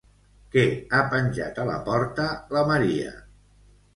Què ha penjat a la porta la Maria?